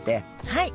はい。